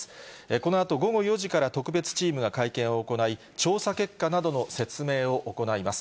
このあと午後４時から特別チームが会見を行い、調査結果などの説明を行います。